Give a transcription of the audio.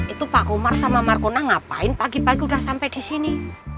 itu pak omar sama markona ngapain pagi pagi udah sampe di sini